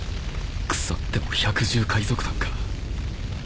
腐っても百獣海賊団か